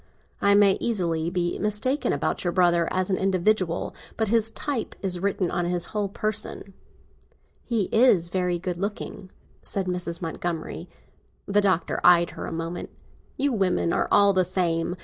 I may easily be mistaken about your brother as an individual, but his type is written on his whole person." "He is very good looking," said Mrs. Montgomery. The Doctor eyed her a moment. "You women are all the same!